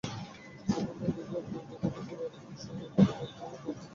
অভ্যন্তরীণ নদীবন্দরগুলোর অধিকাংশের ওপর দিয়ে বয়ে যাবে দমকা অথবা ঝোড়ো হাওয়া।